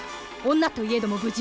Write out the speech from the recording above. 女といえども武人。